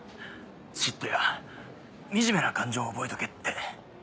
嫉妬や惨めな感情を覚えとけって。